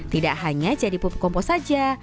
tidak hanya jadi pupuk kompos saja